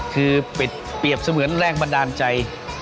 คือเปรียบเสมือนแรงบันดาลใจ